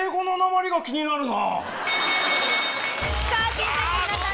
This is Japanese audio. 審査員の皆さん